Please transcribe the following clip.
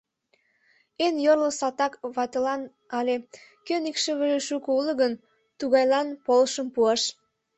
Эн йорло салтак ватылан але, кӧн икшывыже шуко уло гын, тугайлан полышым пуаш.